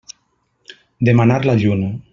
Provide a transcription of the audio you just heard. Demanar la lluna.